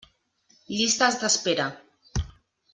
Llistes d'espera.